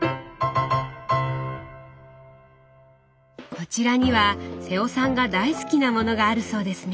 こちらには瀬尾さんが大好きなものがあるそうですね。